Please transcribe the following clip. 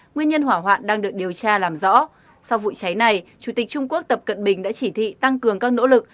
nguyên nhân hỏa hoạn đang được điều tra làm rõ sau vụ cháy này chủ tịch trung quốc tập cận bình đã chỉ thị tăng cường các nỗ lực